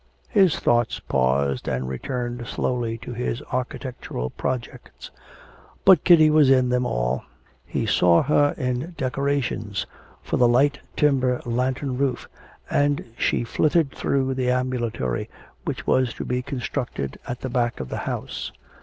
His thoughts paused, and returned slowly to his architectural projects. But Kitty was in them all; he saw her in decorations for the light timber lantern roof, and she flitted through the ambulatory which was to be constructed at the back of the house.